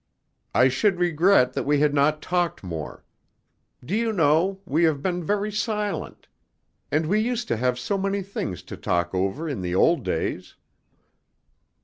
"I should regret that we had not talked more. Do you know, we have been very silent? And we used to have so many things to talk over in the old days.